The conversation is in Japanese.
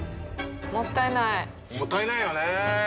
もったいない！もったいないよね。